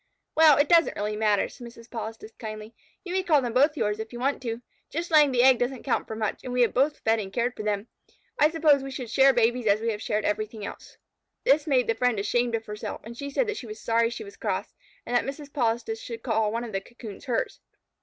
"Well, it doesn't really matter," said Mrs. Polistes kindly. "You may call them both yours, if you want to. Just laying the egg doesn't count for much, and we have both fed and cared for them. I supposed we would share babies as we have shared everything else." This made the friend ashamed of herself, and she said that she was sorry she was cross, and that Mrs. Polistes should call one of the cocoons hers.